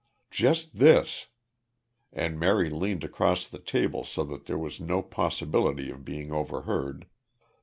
"Just this," and Mary leaned across the table so that there was no possibility of being overheard.